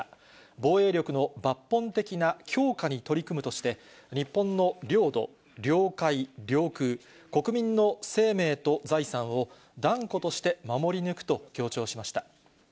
防衛力の抜本的な強化に取り組むとして、日本の領土、領海、領空、国民の生命と財産を、断固として守り抜くと強調しました。